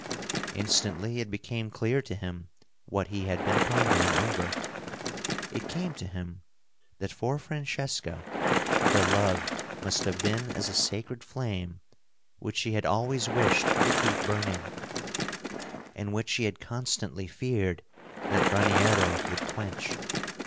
Instantly it became clear to him what he had been pondering over. It came to him that for Francesca her love must have been as a sacred flame which she had always wished to keep burning, and which she had constantly feared that Raniero would quench.